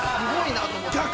すごいなと思って。